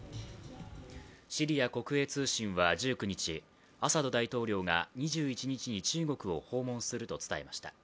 シリア国営通信は１９日、アサド大統領が２１日に中国を訪問すると伝えました。